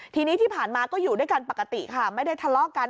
ทีนี้ที่ผ่านมาก็อยู่ด้วยกันปกติค่ะไม่ได้ทะเลาะกัน